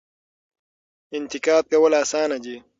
انتقاد کول اسانه دي.